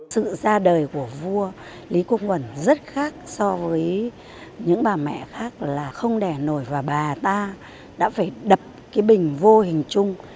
sự ra đời của vua lý quốc uẩn rất khác so với những bà mẹ khác là không đẻ nổi và bà ta đã phải đập cái bình vô hình chung